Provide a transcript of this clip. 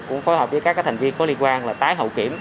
cũng phối hợp với các thành viên có liên quan là tái hậu kiểm